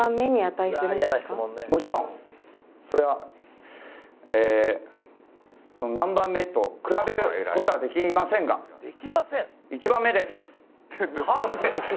もちろんそれは「何番目」と比べる事はできませんが一番目です！